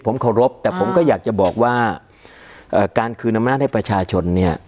ผมเคารพแต่ผมก็อยากจะบอกว่าการคืนอำนาจให้ประชาชนเนี่ย